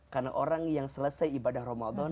karena orang yang selesai ibadah ramadan